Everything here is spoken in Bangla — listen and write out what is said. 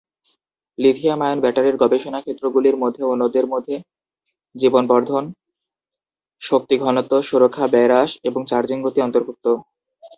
লিথিয়াম-আয়ন ব্যাটারির গবেষণা ক্ষেত্রগুলির মধ্যে অন্যদের মধ্যে জীবন বর্ধন, শক্তি ঘনত্ব, সুরক্ষা, ব্যয় হ্রাস এবং চার্জিং গতি অন্তর্ভুক্ত।